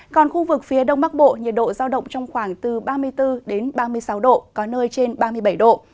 còn khu vực phía đông bắc bộ nhiệt độ giao động trong khoảng từ ba mươi bốn đến ba mươi sáu độ có nơi trên ba mươi bảy độ